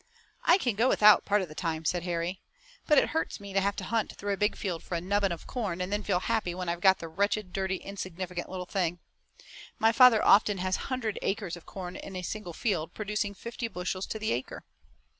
"I can go without, part of the time," said Harry, "but it hurts me to have to hunt through a big field for a nubbin of corn and then feel happy when I've got the wretched, dirty, insignificant little thing. My father often has a hundred acres of corn in a single field, producing fifty bushels to the acre."